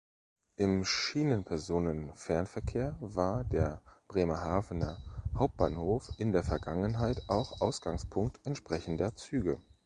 Im Schienenpersonenfernverkehr war der Bremerhavener Hauptbahnhof in der Vergangenheit auch Ausgangspunkt entsprechender Züge.